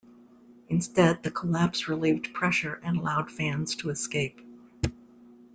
Instead, the collapse relieved pressure and allowed fans to escape.